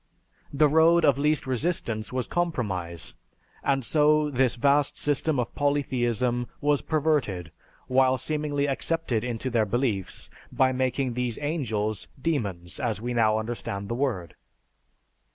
The road of least resistance was compromise, and so this vast system of polytheism was perverted, while seemingly accepted into their beliefs, by making these "angels," "demons," as we now understand the word.